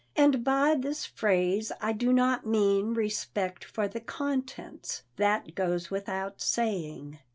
And by this phrase, I do not mean respect for the contents. That goes without saying.